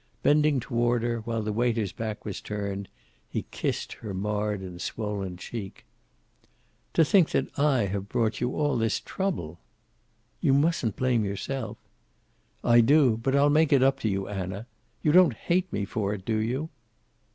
Bending toward her, while the waiter's back was turned, he kissed her marred and swollen cheek. "To think I have brought you all this trouble!" "You mustn't blame yourself." "I do. But I'll make it up to you, Anna. You don't hate me for it, do you?"